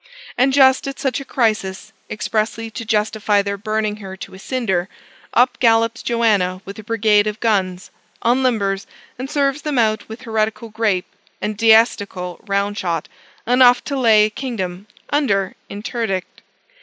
And just at such a crisis, expressly to justify their burning her to a cinder, up gallops Joanna with a brigade of guns, unlimbers, and serves them out with heretical grape and deistical round shot enough to lay a kingdom under interdict.